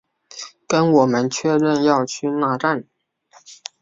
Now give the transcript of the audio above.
跟我们确认要去那站